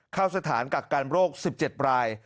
เข้าสถานกักกันโรค๑๗ราย